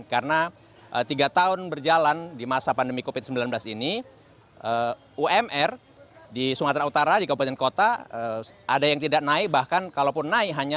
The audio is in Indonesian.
karena tiga tahun berjalan di masa pandemi covid sembilan belas ini umr di sumatera utara di kabupaten kota ada yang tidak naik bahkan kalau pun naik